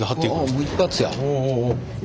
もう一発や。